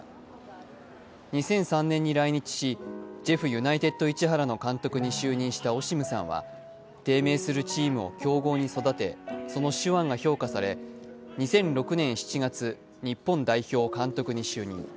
２００３年に来日し、ジェフユナイテッド市原の監督に就任したオシムさんは低迷するチームを強豪に育て、その手腕が評価され２００６年７月、日本代表監督に就任。